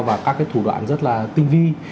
và các cái thủ đoạn rất là tinh vi